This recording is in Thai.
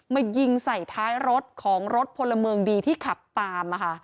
มายิงใส่ท้ายรถของรถพลเมืองดีที่ขับตาม